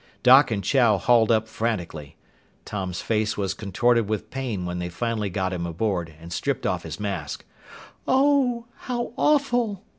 Doc and Chow hauled up frantically. Tom's face was contorted with pain when they finally got him aboard and stripped off his mask. "Oh! How awful!"